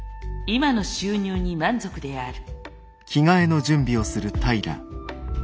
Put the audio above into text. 今の健康に満足である。